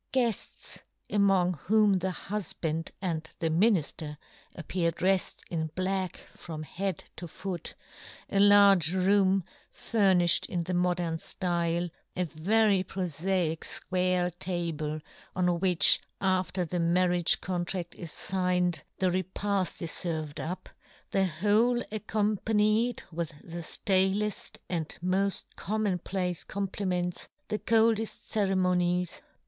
Guefts, among whom the hufband and the minifter appear dreffed in black from head to foot, a large room furniflied in the modern ftyle, a very profaic fquare table, on which, after 4 "John Gutenberg. the marriage contraft is figned, the repaft is ferved up, the whole accom panied with the ftaleft and moil com mon place compliments, the coldeft ceremonies.